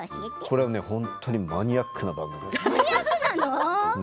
これは本当にマニアックな番組。